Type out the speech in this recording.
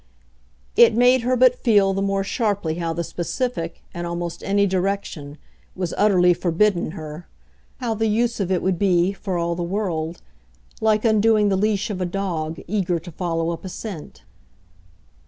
It made her but feel the more sharply how the specific, in almost any direction, was utterly forbidden her how the use of it would be, for all the world, like undoing the leash of a dog eager to follow up a scent.